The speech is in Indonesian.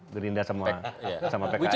gerindra sama pks